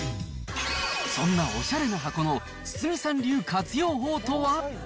そんなおしゃれな箱の堤さん流活用法とは。